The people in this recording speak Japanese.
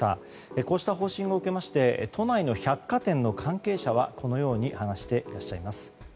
こうした方針を受けまして都内の百貨店の関係者はこのように話していらっしゃいます。